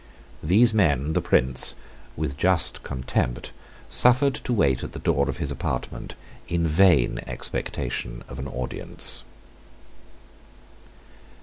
These men the Prince, with just contempt, suffered to wait at the door of his apartment in vain expectation of an audience.